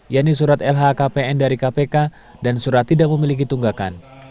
yaitu surat lhkpn dari kpk dan surat tidak memiliki tunggakan